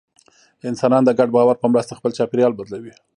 انسانان د ګډ باور په مرسته خپل چاپېریال بدلوي.